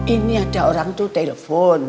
ini ada orang tuh telepon